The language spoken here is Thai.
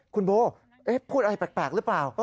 คุณโบพูดอะไรแปลกหรือเปล่า